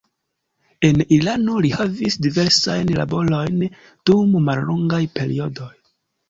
En Irano li havis diversajn laborojn dum mallongaj periodoj.